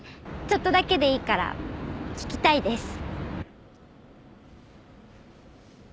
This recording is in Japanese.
ちょっとだけでいいから聴きたいです。